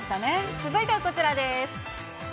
続いてはこちらです。